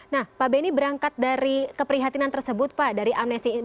nah pak benny berangkat dari keprihatinan tersebut pak dari amnesti